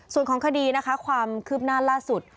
ส่วนของคดีนะคะความคืบหน้าล่าสุด